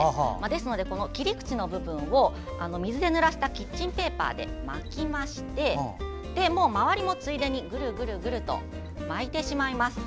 ですので、切り口の部分を水でぬらしたキッチンペーパーで巻きまして周りもついでに、ぐるぐると巻いてしまいます。